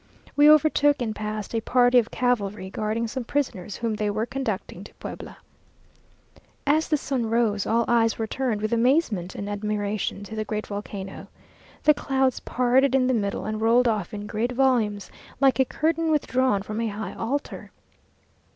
We overtook and passed a party of cavalry, guarding some prisoners, whom they were conducting to Puebla. As the sun rose, all eyes were turned with amazement and admiration to the great volcano. The clouds parted in the middle, and rolled off in great volumes, like a curtain withdrawn from a high altar.